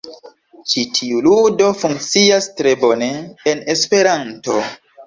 Ĉi tiu ludo funkcias tre bone en Esperanto.